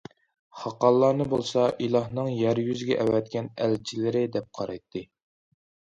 خاقانلارنى بولسا ئىلاھنىڭ يەر يۈزىگە ئەۋەتكەن ئەلچىلىرى دەپ قارايتتى.